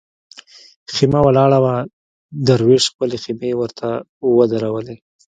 خېمه ولاړه وه دروېش خپلې خېمې ورته ودرولې.